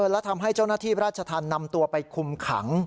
และทำให้เจ้าหน้าที่ราชธรรมนำตัวไปคุมขัง